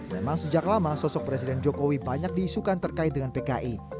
memang sejak lama sosok presiden jokowi banyak diisukan terkait dengan pki